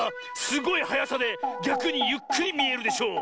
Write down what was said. すごいはやさでぎゃくにゆっくりみえるでしょ？